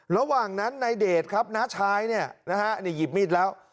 ระหว่างนั้นนายเดชครับน้าชายเนี่ยนะฮะนี่หยิบมีดแล้ว